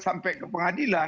sampai ke pengadilan